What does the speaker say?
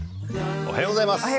おはようございます。